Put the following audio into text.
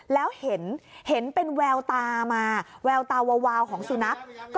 แล้วเห็นเป็นแววตามาแววตาวาวของสุนัข